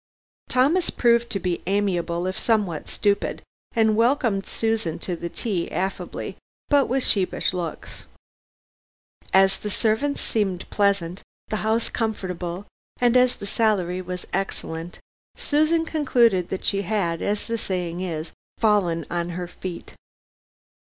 Thomas proved to be amiable if somewhat stupid, and welcomed Susan to tea affably but with sheepish looks. As the servants seemed pleasant, the house comfortable, and as the salary was excellent, Susan concluded that she had as the saying is fallen on her feet.